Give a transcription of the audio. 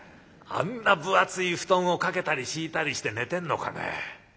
あんな分厚い布団をかけたり敷いたりして寝てんのかね。